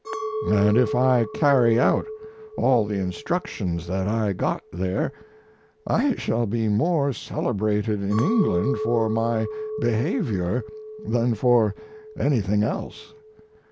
And if I carry out all the instructions that I got there I shall be more celebrated in England for my behavior than for anything else.